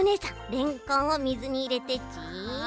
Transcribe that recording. れんこんを水にいれてち。